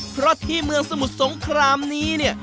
เพราะที่เมืองสมุทรสงครามนี้เนี่ย